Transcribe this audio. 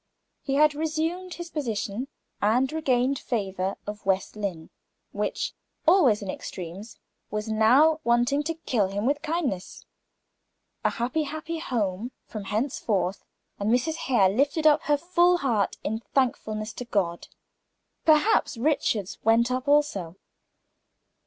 He had resumed his position; and regained the favor of West Lynne, which, always in extremes, was now wanting to kill him with kindness. A happy, happy home from henceforth; and Mrs. Hare lifted up her full heart in thankfulness to God. Perhaps Richard's went up also.